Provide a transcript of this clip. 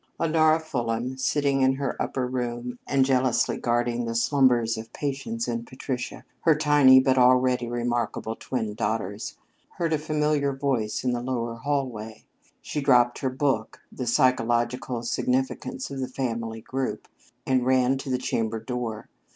IV Honora Fulham, sitting in her upper room and jealously guarding the slumbers of Patience and Patricia, her tiny but already remarkable twin daughters, heard a familiar voice in the lower hallway. She dropped her book, "The Psychological Significance of the Family Group," and ran to the chamber door.